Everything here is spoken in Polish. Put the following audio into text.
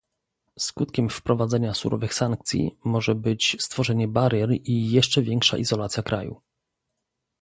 Skutkiem wprowadzenia surowych sankcji może być stworzenie barier i jeszcze większa izolacja kraju